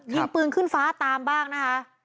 ยิงปืนขึ้นฟ้าตามบ้างนะคะ